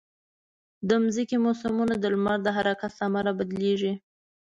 د مځکې موسمونه د لمر د حرکت له امله بدلېږي.